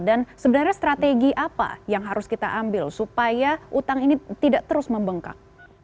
dan sebenarnya strategi apa yang harus kita ambil supaya utang ini tidak terus membengkak